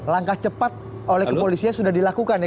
langkah cepat oleh kepolisian sudah dilakukan ya